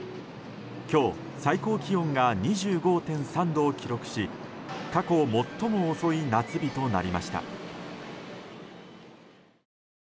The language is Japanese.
今日、最高気温が２５．３度を記録し過去最も遅い夏日となりました。